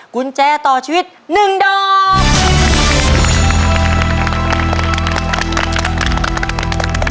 กุญแจต่อชีวิต๑ดอก